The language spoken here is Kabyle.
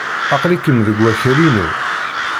Aql-ikem deg wakal-inu.